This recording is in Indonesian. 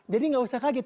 jadi enggak usah kaget